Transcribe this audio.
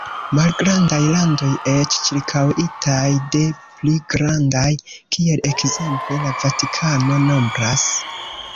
Malgrandaj landoj, eĉ ĉirkaŭitaj de pli grandaj, kiel ekzemple la Vatikano, nombras.